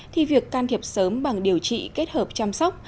thì việc can thiệp sớm bằng điều trị kết hợp chăm sóc